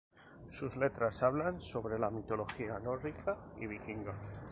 Sus letras hablan sobre la mitología nórdica y vikinga.